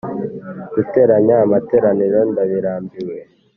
guteranya amateraniro ndabirambiwe,